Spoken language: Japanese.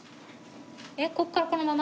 えっここからこのまま？